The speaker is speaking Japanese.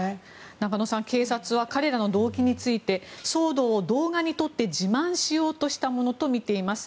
中野さん警察は騒動の動機について騒動を動画に撮って自慢しようとしたものとみています。